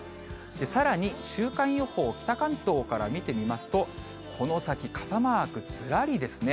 さらに週間予報を北関東から見てみますと、この先、傘マークずらりですね。